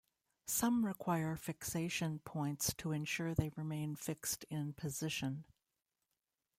Some require fixation points to ensure they remain fixed in position.